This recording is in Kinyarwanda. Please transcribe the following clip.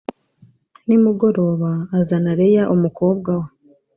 Nimugoroba azana leya umukobwa we